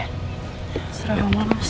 ya serah kamu mas